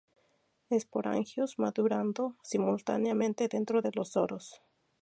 Esporangios madurando simultáneamente dentro de los soros.